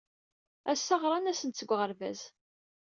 Ass-a ɣran-asen-d seg uɣerbaz.